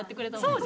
そう。